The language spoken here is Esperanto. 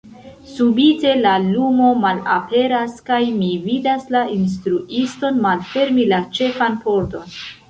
Subite la lumo malaperas, kaj mi vidas la instruiston malfermi la ĉefan pordon...